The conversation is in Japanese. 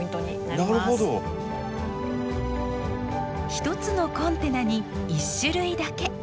１つのコンテナに１種類だけ。